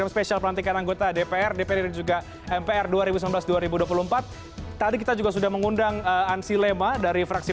selamat malam dpr dpr juga mpr dua ribu sembilan belas dua ribu dua puluh empat tadi kita juga sudah mengundang ansilema dari fraksi